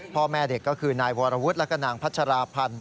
พ่อแม่เด็กก็คือนายวรวุฒิแล้วก็นางพัชราพันธ์